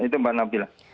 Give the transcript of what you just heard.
itu mbak nabilah